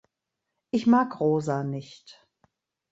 Ich mag Rosa nicht!